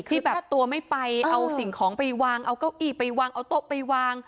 ที่แบบตัวไม่ไปเอาสิ่งของไปวางเอาเก้าอี้ไปวางเอาโต๊ะไปวาง